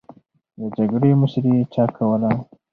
د جګړې مشري چا کوله؟